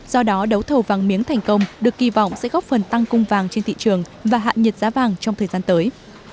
do đó đấu thầu vàng miếng thành công được kỳ vọng sẽ góp phần tăng cung vàng trên thị trường và hạ nhiệt giá vàng trong thời gian tới